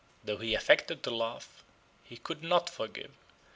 Though he affected to laugh, he could not forgive.